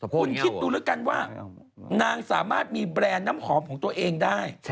คุณคิดดูแล้วกันว่านางสามารถมีแบรนด์น้ำหอมของตัวเองได้